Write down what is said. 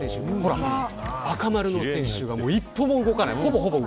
赤丸の選手が一歩も動かない。